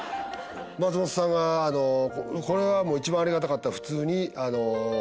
松本さんがこれは一番ありがたかった。